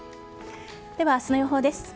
では明日の予報です。